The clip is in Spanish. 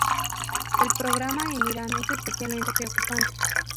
El programa en Irán es especialmente preocupante.